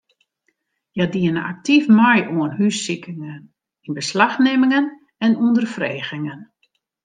Hja diene aktyf mei oan hússikingen, ynbeslachnimmingen en ûnderfregingen.